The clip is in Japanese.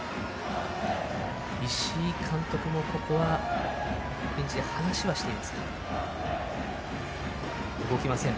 石井監督もここはベンチで話はしていますが動きません。